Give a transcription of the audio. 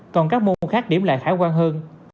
còn các môn khác điểm lại khả quan hơn